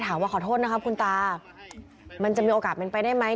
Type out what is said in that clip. ขอโทษนะครับคุณตามันจะมีโอกาสเป็นไปได้ไหม